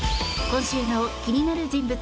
今週の気になる人物